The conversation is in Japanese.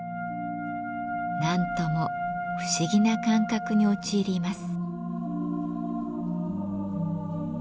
何とも不思議な感覚に陥ります。